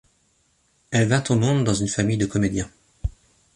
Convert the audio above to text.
Elle vint au monde dans une famille de comédiens.